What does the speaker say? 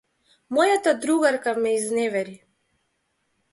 Мојата другарка ме изневери.